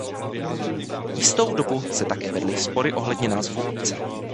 Jistou dobu se také vedly spory ohledně názvu obce.